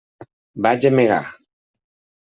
Va gemegar.